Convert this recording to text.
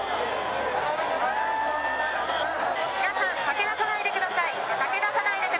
皆さん駆け出さないでください。